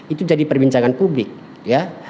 itu jadi perbincangan publik ya